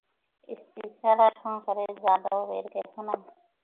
স্ত্রী ছাড়া সংসারে যাদবের কেহ নাই।